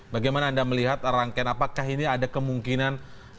bagaimana anda melihat rangkaian apakah ini ada kemungkinan